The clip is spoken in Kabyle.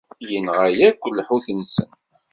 Inɣa akk lḥut-nsen.